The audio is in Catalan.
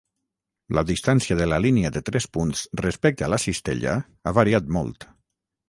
La distància de la línia de tres punts respecte a la cistella ha variat molt.